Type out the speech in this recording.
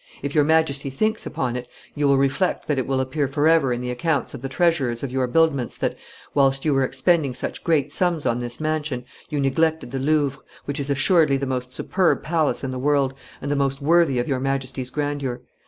If your Majesty thinks upon it, you will reflect that it will appear forever in the accounts of the treasurers of your buildments that, whilst you were expending such great sums on this mansion, you neglected the Louvre, which is assuredly the most superb palace in the world, and the most worthy of your Majesty's grandeur.